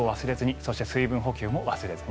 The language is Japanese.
そして水分補給も忘れずに。